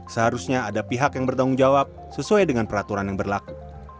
seharusnya ada pihak yang bertanggung jawab sesuai dengan peraturan yang berlaku